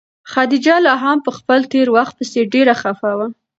خدیجه لا هم په خپل تېر وخت پسې ډېره خفه وه.